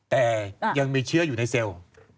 แต่ยังมีเชื้ออยู่ในเซลล์